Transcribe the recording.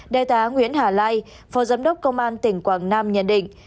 đại tá nguyễn hà lai phó giám đốc công an tỉnh quảng nam nhận định